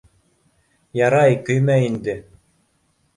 — Ярай көймә инде.